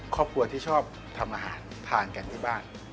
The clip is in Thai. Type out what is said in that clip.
ครอบครัวที่ชอบทำอาหารทานกันที่บ้าน